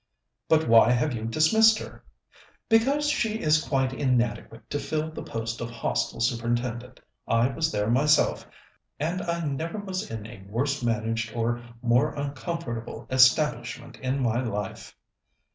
"But why have you dismissed her?" "Because she is quite inadequate to fill the post of Hostel Superintendent. I was there myself, and I never was in a worse managed or more uncomfortable establishment in my life."